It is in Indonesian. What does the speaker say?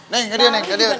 neng ngeriuk ngeriuk